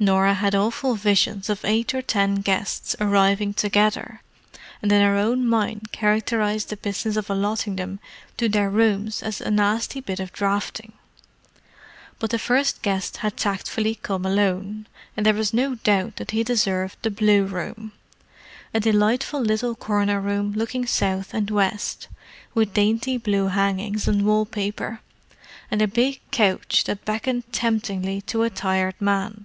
Norah had awful visions of eight or ten guests arriving together, and in her own mind characterized the business of allotting them to their rooms as a nasty bit of drafting. But the first guest had tactfully come alone, and there was no doubt that he deserved the blue room—a delightful little corner room looking south and west, with dainty blue hangings and wall paper, and a big couch that beckoned temptingly to a tired man.